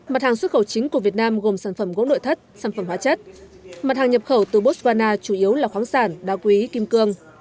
mặt hàng xuất khẩu chính của việt nam gồm sản phẩm gỗ nội thất sản phẩm hóa chất mặt hàng nhập khẩu từ botswana chủ yếu là khoáng sản đa quý kim cương